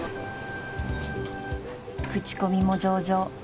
［口コミも上々］